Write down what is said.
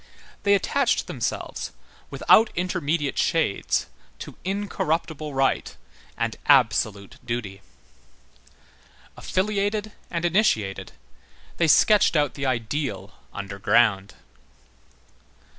They attached themselves, without intermediate shades, to incorruptible right and absolute duty. Affiliated and initiated, they sketched out the ideal underground.